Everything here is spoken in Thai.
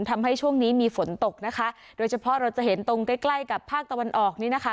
ทำให้ช่วงนี้มีฝนตกนะคะโดยเฉพาะเราจะเห็นตรงใกล้ใกล้กับภาคตะวันออกนี้นะคะ